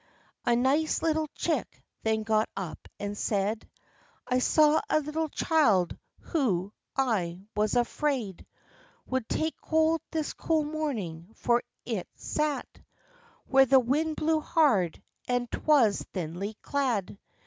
A nice little chick then got up, and said, "I saw a little child, who, I was afraid, Would take cold this cool morning, for it sat Where the wind blew hard, and 'twas thinly clad.